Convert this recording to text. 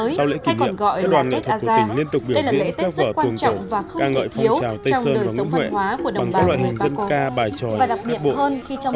sau lễ kỷ niệm các đoàn nghệ thuật của tỉnh liên tục biểu diễn các vở tuần cầu ca ngợi phong trào tây sơn và nguyễn huệ bằng các loại hình dân ca bài tròi đặc biệt hơn